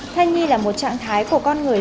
thai nhi là một trạng thái của con người